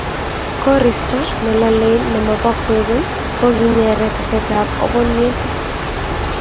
koristo nelolei nemobo kwekeny ko kinyere kesetab appolyek